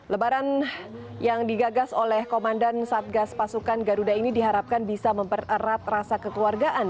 lebaran yang digagas oleh komandan satgas pasukan garuda ini diharapkan bisa mempererat rasa kekeluargaan